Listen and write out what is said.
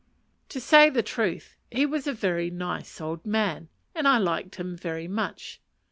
To say the truth, he was a very nice old man, and I liked him very much.